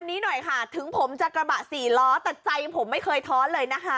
นี้หน่อยค่ะถึงผมจะกระบะสี่ล้อแต่ใจผมไม่เคยท้อนเลยนะคะ